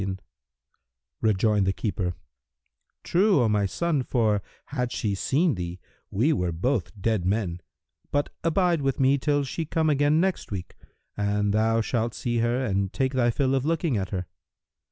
"[FN#331] Rejoined the keeper, "True, O my son, for, had she seen thee, we were both dead men: but abide with me till she come again next week, and thou shalt see her and take thy fill of looking at her."